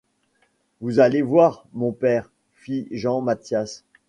Vous allez voir, mon père, fit Jean-Mathias.